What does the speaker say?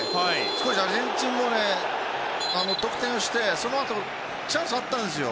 アルゼンチンも得点してそのあとチャンスはあったんですよ。